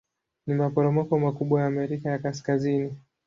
Ni maporomoko makubwa ya Amerika ya Kaskazini.